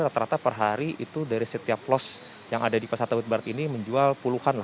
rata rata per hari itu dari setiap los yang ada di pasar tebet barat ini menjual puluhan